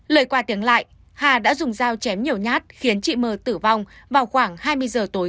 lời qua tiếng lại hà đã dùng dao chém nhiều nhát khiến chị m tử vong vào khoảng hai mươi giờ tối